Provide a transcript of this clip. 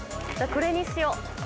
これにしよう。